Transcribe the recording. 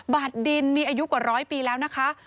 บาทดินมีอายุกว่าร้อยปีแล้วนะคะ